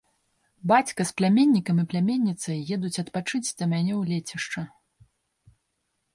Бацька з пляменнікам і пляменніцай едуць адпачыць да мяне ў лецішча.